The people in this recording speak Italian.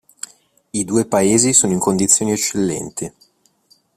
I due paesi sono in condizioni eccellenti.